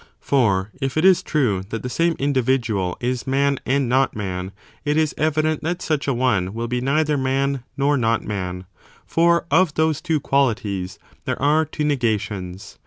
For, if it is true that the same individual is man and not man, it is evident that such a one will be neither man nor not man ; for of those two qualities there are two negations.